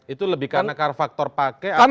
itu lebih karena kar faktor paham